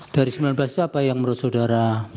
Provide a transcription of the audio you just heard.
dari sembilan belas itu apa yang menurut saudara